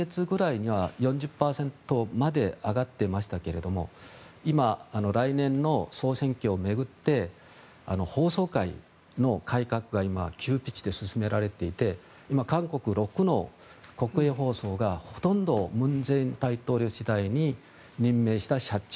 先月ぐらいには４０％まで上がってましたけれども今、来年の総選挙を巡って法曹界の改革が今、急ピッチで進められていて今、韓国６位の国営放送がほとんど文在寅大統領時代に任命した社長。